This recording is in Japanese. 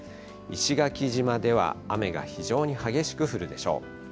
石垣島では雨が非常に激しく降るでしょう。